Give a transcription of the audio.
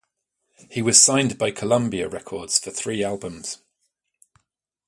He was signed by Columbia Records for three albums.